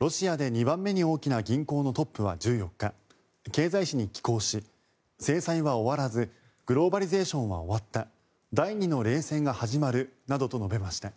ロシアで２番目に大きな銀行のトップは１４日経済紙に寄稿し制裁は終わらずグローバリゼーションは終わった第２の冷戦が始まるなどと述べました。